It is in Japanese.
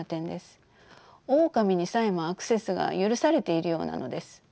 オオカミにさえもアクセスが許されているようなのです。